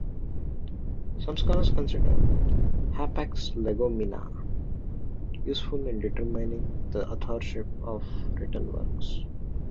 Some scholars consider "Hapax legomena" useful in determining the authorship of written works.